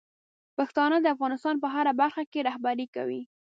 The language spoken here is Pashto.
پښتانه د افغانستان په هره برخه کې رهبري کوي.